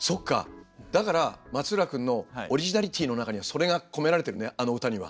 だから松浦君のオリジナリティーの中にはそれが込められてるねあの歌には。